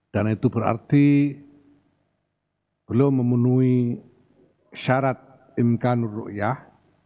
dan itu berarti belum memenuhi syarat imkanur ru yah